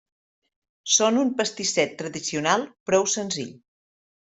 Són un pastisset tradicional prou senzill.